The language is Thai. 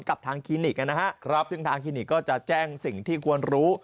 กับทางคลินิกนะฮะซึ่งทางคลินิกก็จะแจ้งสิ่งที่ควรรู้